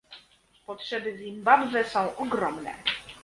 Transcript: Potrzeby Zimbabwe są ogromne